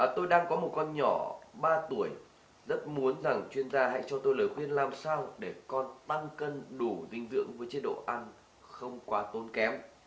tôi đang có một con nhỏ ba tuổi rất muốn rằng chuyên gia hãy cho tôi lời khuyên làm sao để con băng cân đủ dinh dưỡng với chế độ ăn không quá tốn kém